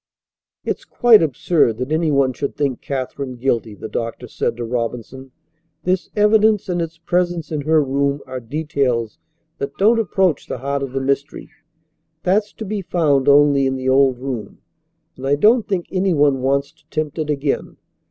"It's quite absurd that any one should think Katherine guilty," the doctor said to Robinson. "This evidence and its presence in her room are details that don't approach the heart of the mystery. That's to be found only in the old room, and I don't think any one wants to tempt it again.